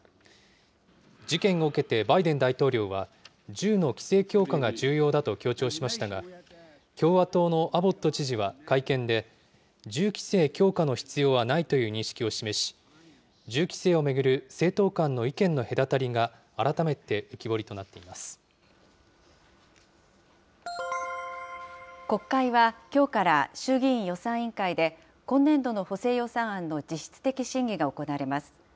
事件を受けてバイデン大統領は、銃の規制強化が重要だと強調しましたが、共和党のアボット知事は会見で、銃規制強化の必要はないという認識を示し、銃規制を巡る政党間の意見の隔たりが改めて浮国会はきょうから衆議院予算委員会で今年度の補正予算案の実質的審議が行われます。